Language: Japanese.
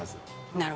なるほど。